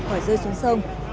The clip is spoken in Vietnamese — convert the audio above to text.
khỏi rơi xuống sông